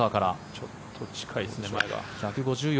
ちょっと近いですね。